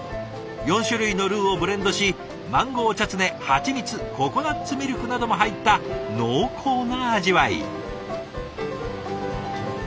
４種類のルーをブレンドしマンゴーチャツネハチミツココナツミルクなども入った濃厚な味わい。